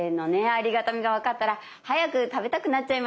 ありがたみが分かったら早く食べたくなっちゃいました。